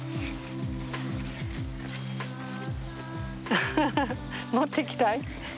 アハハハ持ってきたい？